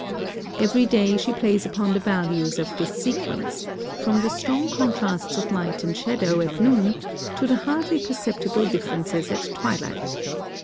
(79) Every day she plays upon the values of this sequence, from the strong contrasts of light and shadow at noon to the hardly perceptible differences at twilight.